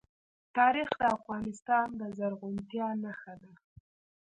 تاریخ د افغانستان د زرغونتیا نښه ده.